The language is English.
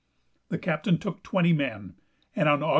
The captain took twenty men, and, on Aug.